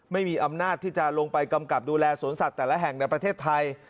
ไม่มีอำนาจที่จะลงไปกำกับดูแลสวนสัตว์แต่ละแห่งในประเทศไทย